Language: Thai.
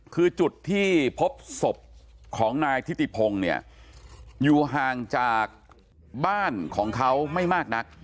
คือจุดที่พบศพของนายทิติพงศ์เนี่ยอยู่ห่างจากบ้านของเขาไม่มากนัก